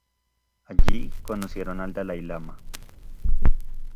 Allí conocieron al Dalái Lama.